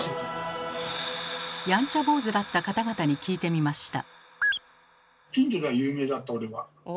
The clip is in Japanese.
やんちゃ坊主だった方々に聞いてみました。